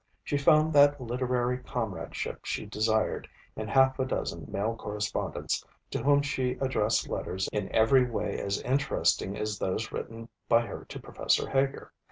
She found that literary comradeship she desired in half a dozen male correspondents to whom she addressed letters in every way as interesting as those written by her to Professor Heger.